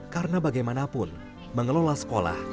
karena bagaimanapun mengelola sekolah